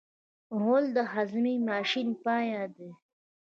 غول د هاضمې ماشین پای دی.